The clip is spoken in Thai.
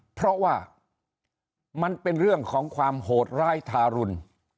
เพราะว่ามันเป็นเรื่องของความโหดร้ายทารุณ